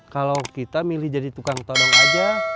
kalau kita milih jadi tukang todong aja